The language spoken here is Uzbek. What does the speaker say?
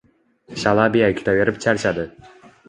Shalabiya kutaverib charchadi